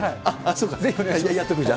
そうか、ぜひお願いします。